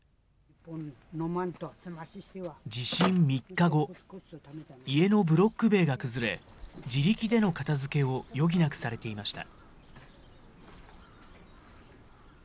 地震３日後、家のブロック塀が崩れ、自力での片づけを余儀なくされていました。